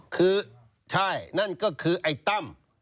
คือใช่นั่นก็คือไอ้ตั้ม